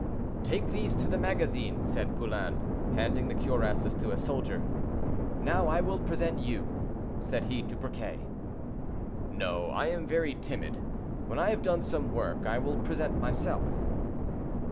"Take these to the magazine," said Poulain, handing the cuirasses to a soldier. "Now I will present you," said he to Briquet. "No, I am very timid. When I have done some work, I will present myself."